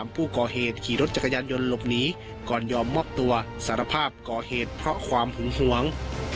ผู้ก่อเหตุขี่รถจักรยานยนต์หลบหนีก่อนยอมมอบตัวสารภาพก่อเหตุเพราะความหึงหวง